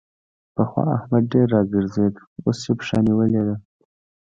پخوا احمد ډېر راګرځېد؛ اوس يې پښه نيولې ده.